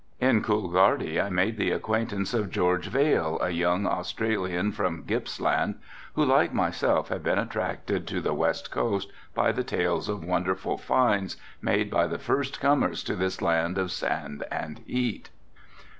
In Coolgardie I made the acquaintance of George Vail, a young Australian from Gipps Land, who like myself had been attracted to the west coast by the tales of wonderful finds made by the first comers to this land of sand and heat.